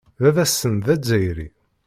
Baba-tsen d Azzayri.